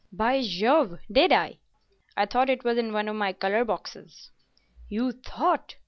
"By Jove, did I? I thought it was in one of my colour boxes." "You thought!